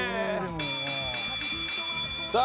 さあ。